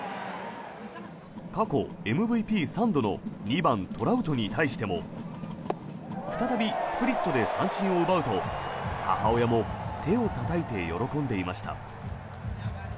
過去ＭＶＰ３度の２番、トラウトに対しても再びスプリットで三振を奪うと母親も手をたたいて喜んでいました。